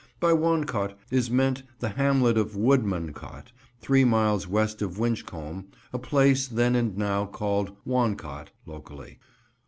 By "Woncot," is meant the hamlet of Woodmancote, three miles west of Winchcombe, a place then and now called "Woncot," locally.